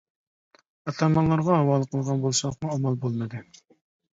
ئاتامانلارغا ھاۋالە قىلغان بولساقمۇ ئامال بولمىدى.